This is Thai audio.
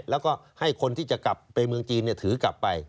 แล้วก็ให้คนที่จะกลับไปเมืองจีนถือกลับไป